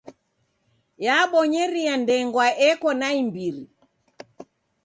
Yabonyeria ndengwa eko naimbiri.